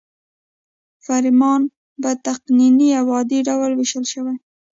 فرمان په تقنیني او عادي ډول ویشل شوی.